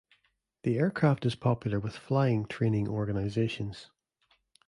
The aircraft is popular with flying training organizations.